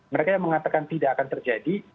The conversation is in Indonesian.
mereka yang mengatakan tidak akan terjadi